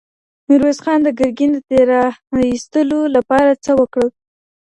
ميرويس خان د ګرګين د تېرایستلو لپاره څه وکړل؟